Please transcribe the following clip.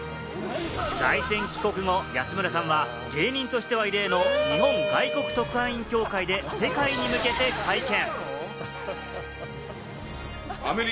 凱旋帰国後、安村さんは芸人としては異例の日本外国特派員協会で世界に向けて会見。